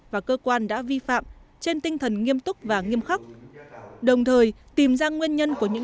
và cơ quan đã vi phạm trên tinh thần nghiêm túc và nghiêm khắc đồng thời tìm ra nguyên nhân của những